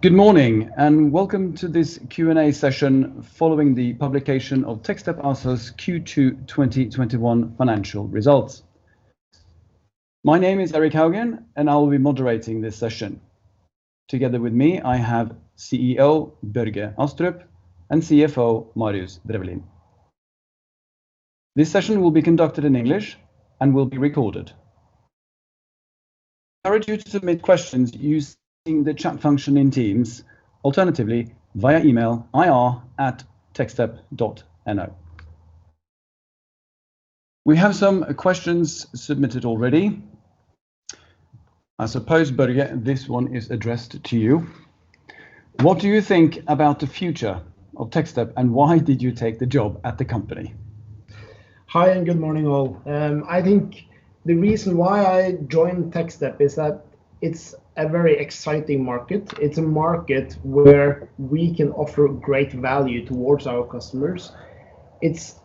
Good morning, welcome to this Q&A session following the publication of Techstep ASA's Q2 2021 financial results. My name is Erik Haugen, and I will be moderating this session. Together with me, I have CEO, Børge Astrup, and CFO, Marius Drefvelin. This session will be conducted in English and will be recorded. I encourage you to submit questions using the chat function in Teams. Alternatively, via email, ir@techstep.no. We have some questions submitted already. I suppose, Børge, this one is addressed to you. What do you think about the future of Techstep, and why did you take the job at the company? Hi, good morning, all. I think the reason why I joined Techstep is that it's a very exciting market. It's a market where we can offer great value towards our customers. It's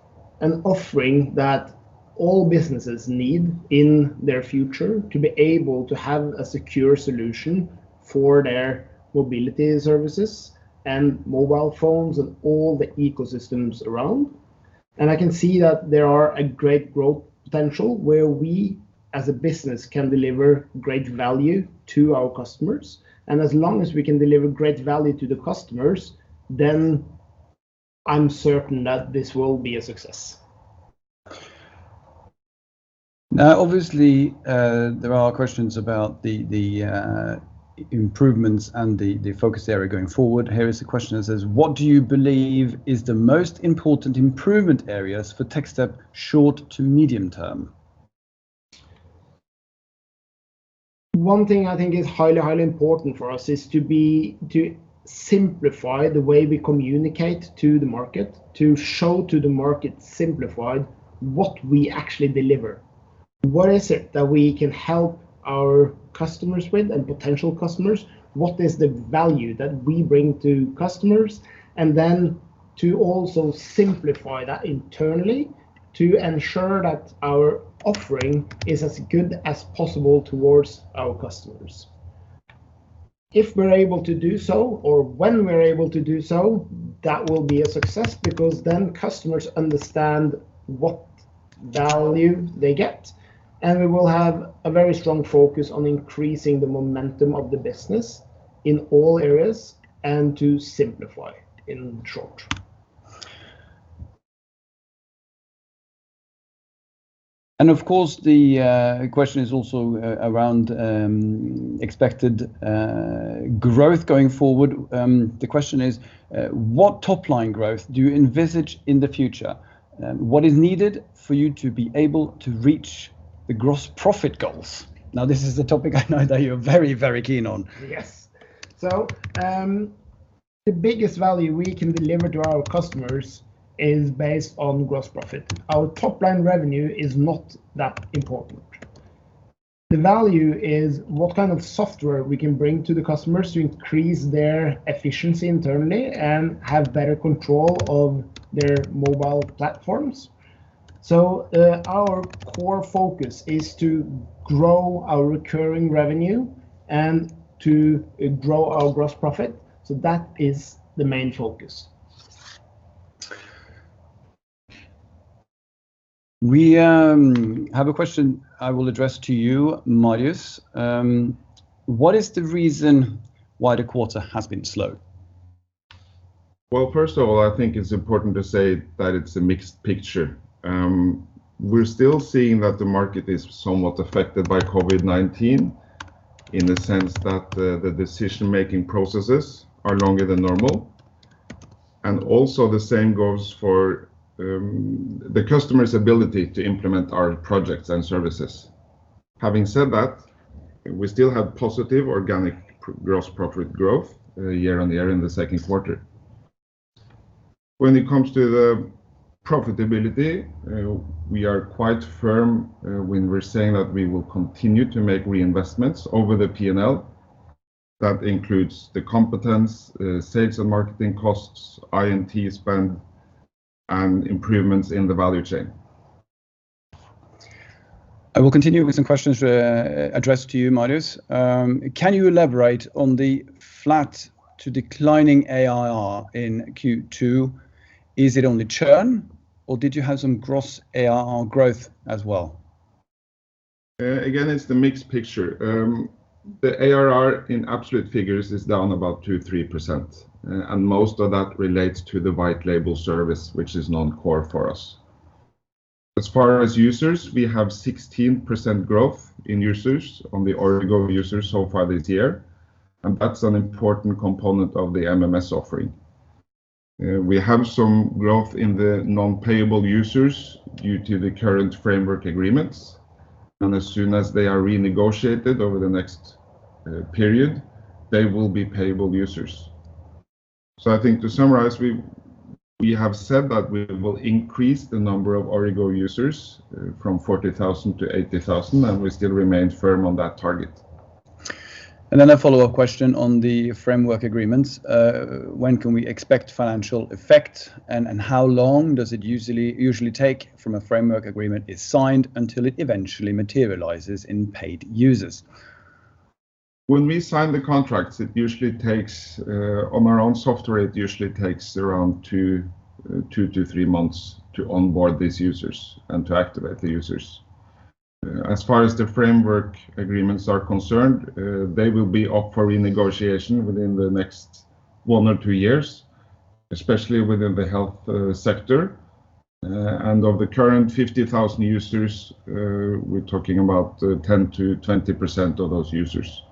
an offering that all businesses need in their future to be able to have a secure solution for their mobility services and mobile phones and all the ecosystems around. I can see that there are a great growth potential where we, as a business, can deliver great value to our customers. As long as we can deliver great value to the customers, I'm certain that this will be a success. Now, obviously, there are questions about the improvements and the focus area going forward. Here is a question that says, "What do you believe is the most important improvement areas for Techstep short to medium term? One thing I think is highly important for us is to simplify the way we communicate to the market, to show to the market simplified what we actually deliver. What is it that we can help our customers with, and potential customers? What is the value that we bring to customers? Then to also simplify that internally to ensure that our offering is as good as possible towards our customers. If we're able to do so, or when we're able to do so, that will be a success because then customers understand what value they get, and we will have a very strong focus on increasing the momentum of the business in all areas and to simplify, in short. Of course, the question is also around expected growth going forward. The question is, what top-line growth do you envisage in the future? What is needed for you to be able to reach the gross profit goals? This is a topic I know that you're very keen on. Yes. The biggest value we can deliver to our customers is based on gross profit. Our top-line revenue is not that important. The value is what kind of software we can bring to the customers to increase their efficiency internally and have better control of their mobile platforms. Our core focus is to grow our recurring revenue and to grow our gross profit. That is the main focus. We have a question I will address to you, Marius. What is the reason why the quarter has been slow? Well, first of all, I think it's important to say that it's a mixed picture. We're still seeing that the market is somewhat affected by COVID-19, in the sense that the decision-making processes are longer than normal. Also, the same goes for the customer's ability to implement our projects and services. Having said that, we still have positive organic gross profit growth year-on-year in the second quarter. When it comes to the profitability, we are quite firm when we're saying that we will continue to make reinvestments over the P&L. That includes the competence, sales and marketing costs, IT spend, and improvements in the value chain. I will continue with some questions addressed to you, Marius. Can you elaborate on the flat to declining ARR in Q2? Is it only churn, or did you have some gross ARR growth as well? Again, it's the mixed picture. The ARR in absolute figures is down about 2%-3%. Most of that relates to the white label service, which is non-core for us. As far as users, we have 16% growth in users on the Origo users so far this year, and that's an important component of the MMS offering. We have some growth in the non-payable users due to the current framework agreements. As soon as they are renegotiated over the next period, they will be payable users. I think to summarize, we have said that we will increase the number of Origo users from 40,000 to 80,000, and we still remain firm on that target. A follow-up question on the framework agreements. When can we expect financial effect, and how long does it usually take from a framework agreement is signed until it eventually materializes in paid users? When we sign the contracts, on our own software, it usually takes around two to three months to onboard these users and to activate the users. As far as the framework agreements are concerned, they will be up for renegotiation within the next one to two years, especially within the health sector. Of the current 50,000 users, we're talking about 10%-20% of those users.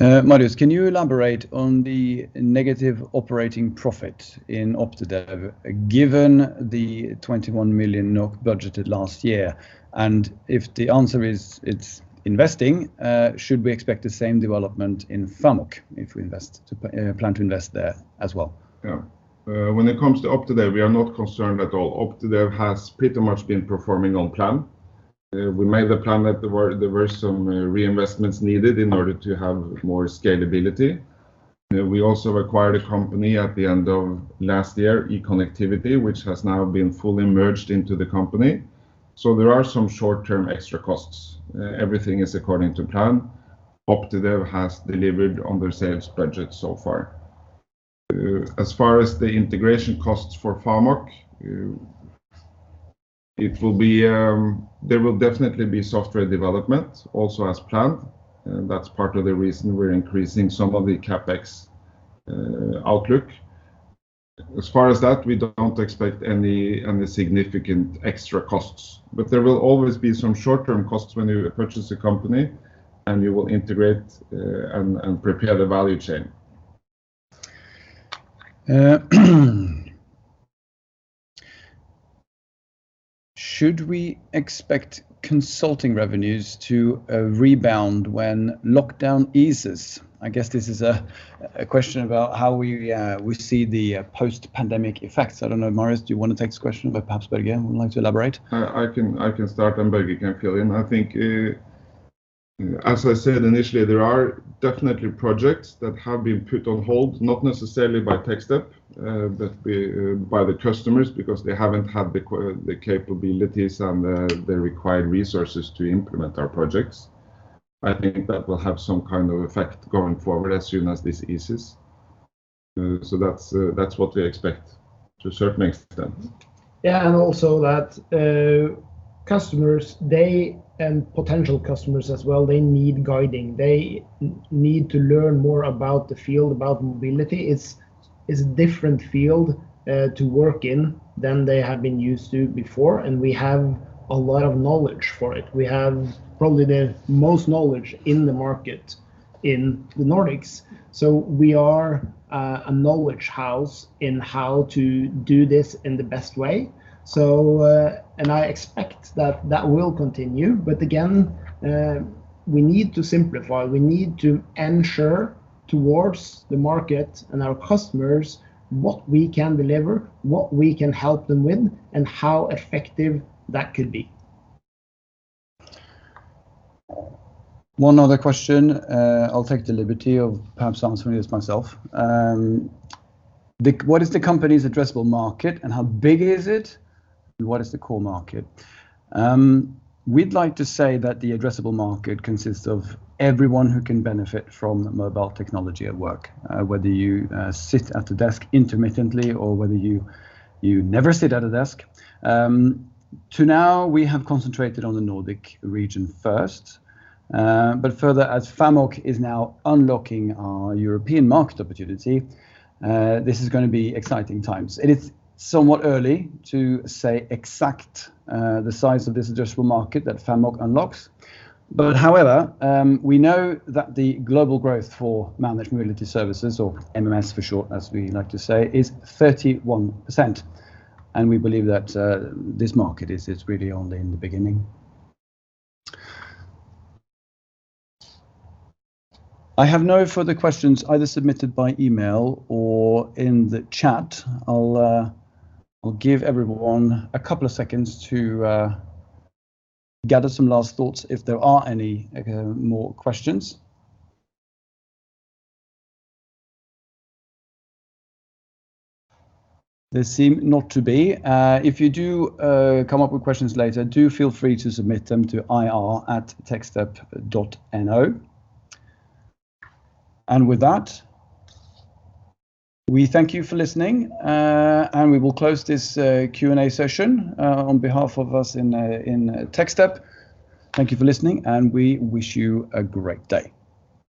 Marius, can you elaborate on the negative operating profit in Optidev, given the 21 million budgeted last year? If the answer is it's investing, should we expect the same development in Famoc if we plan to invest there as well? Yeah. When it comes to Optidev, we are not concerned at all. Optidev has pretty much been performing on plan. We made the plan that there were some reinvestments needed in order to have more scalability. We also acquired a company at the end of last year, eConnectivity, which has now been fully merged into the company. There are some short-term extra costs. Everything is according to plan. Optidev has delivered on their sales budget so far. As far as the integration costs for Famoc, there will definitely be software development also as planned, and that's part of the reason we're increasing some of the CapEx outlook. As far as that, we don't expect any significant extra costs. There will always be some short-term costs when you purchase a company and you will integrate and prepare the value chain. Should we expect consulting revenues to rebound when lockdown eases?" I guess this is a question about how we see the post-pandemic effects. I don't know, Marius, do you want to take this question, but perhaps, again, would like to elaborate? I can start and Børge can fill in. I think, as I said initially, there are definitely projects that have been put on hold, not necessarily by Techstep, but by the customers, because they haven't had the capabilities and the required resources to implement our projects. I think that will have some kind of effect going forward as soon as this eases. That's what we expect to a certain extent. Also, that customers, they and potential customers as well, they need guiding. They need to learn more about the field, about mobility. It's a different field to work in than they have been used to before. We have a lot of knowledge for it. We have probably the most knowledge in the market in the Nordics. We are a knowledge house in how to do this in the best way. I expect that that will continue. Again, we need to simplify. We need to ensure towards the market and our customers what we can deliver, what we can help them with, and how effective that could be. One other question. I'll take the liberty of perhaps answering this myself. "What is the company's addressable market and how big is it? What is the core market?" We'd like to say that the addressable market consists of everyone who can benefit from mobile technology at work, whether you sit at a desk intermittently or whether you never sit at a desk. To now, we have concentrated on the Nordic region first, further, as Famoc is now unlocking our European market opportunity, this is going to be exciting times. It's somewhat early to say exact the size of this addressable market that Famoc unlocks. However, we know that the global growth for managed mobility services, or MMS for short, as we like to say, is 31%. We believe that this market is really only in the beginning. I have no further questions either submitted by email or in the chat. I'll give everyone a couple of seconds to gather some last thoughts if there are any more questions. There seem not to be. If you do come up with questions later, do feel free to submit them to ir@techstep.no. With that, we thank you for listening, and we will close this Q&A session. On behalf of us in Techstep, thank you for listening, and we wish you a great day.